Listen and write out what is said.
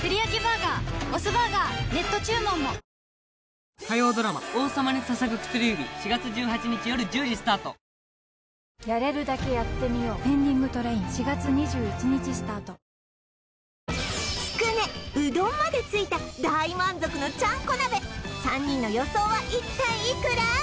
ぷはーっつくねうどんまでついた大満足のちゃんこ鍋３人の予想は一体いくら？